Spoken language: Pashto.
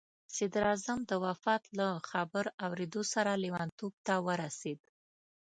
صدراعظم د وفات له خبر اورېدو سره لیونتوب ته ورسېد.